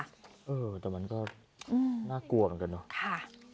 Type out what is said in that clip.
เออแต่มันก็น่ากลัวเหมือนกันเนอะ